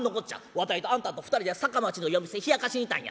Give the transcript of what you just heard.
わたいとあんたと２人で坂町の夜店冷やかしに行ったんや。